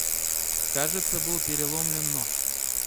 Кажется, был переломлен нос.